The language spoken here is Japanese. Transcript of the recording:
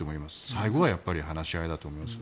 最後はやっぱり話し合いだと思います。